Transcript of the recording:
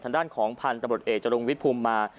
ทางด้านของพันธุ์ตำรวจเอกจรุงวิทย์ภูมิมา